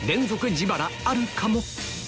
自腹あるかも？